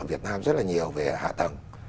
ở việt nam rất là nhiều về hạ tầng